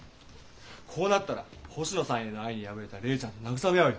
こうなったら星野さんへの愛に破れた怜ちゃんと慰め合うよ。